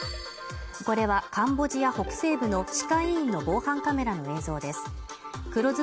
これはカンボジア北西部の歯科医院の防犯カメラの映像です